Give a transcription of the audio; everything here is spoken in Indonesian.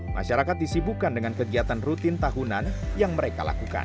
masyarakat disibukan dengan kegiatan rutin tahunan yang mereka lakukan